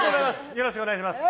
よろしくお願いします！